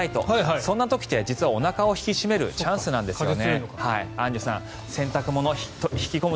そんな時って実はおなかを引き締めるチャンスなんですよね。